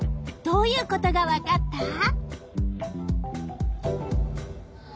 どういうことがわかった？